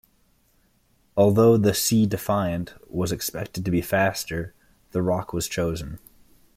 Although the "Sea Defiant" was expected to be faster, the Roc was chosen.